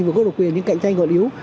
vừa có độc quyền nhưng cạnh tranh còn yếu